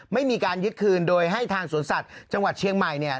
ไม่มีการยึดคืนโดยให้ทางสวนสัตว์จังหวัดเชียงใหม่เนี่ย